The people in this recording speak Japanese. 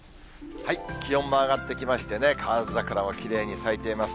気温も上がってきましてね、河津桜もきれいに咲いています。